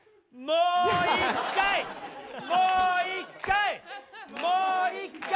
もう１回！